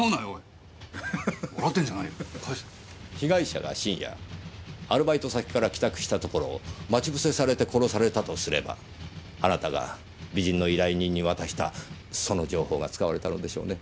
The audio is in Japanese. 被害者が深夜アルバイト先から帰宅したところを待ち伏せされて殺されたとすればあなたが美人の依頼人に渡したその情報が使われたのでしょうね。